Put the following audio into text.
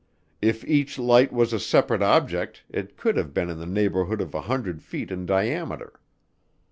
If each light was a separate object it could have been in the neighborhood of 100 feet in diameter.